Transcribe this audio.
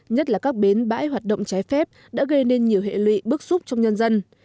nhất là các bến bãi hoạt động trái phép đã gây nên nhiều hệ lụy bức xúc trong nhân dân